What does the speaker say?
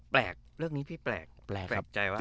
เรื่องนี้พี่แปลกแปลกใจว่า